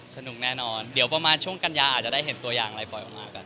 สนุกแน่นอนเดี๋ยวประมาณช่วงกันยาอาจจะได้เห็นตัวอย่างไรปล่อยออกมากัน